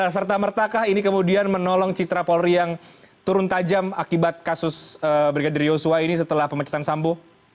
serta mertakah ini kemudian menolong citra polri yang turun tajam akibat kasus brigadir yosua ini setelah pemecatan sambo